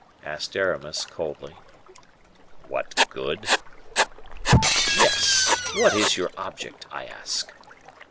asked Aramis, coldly. "What good?" "Yes; what is your object, I ask?"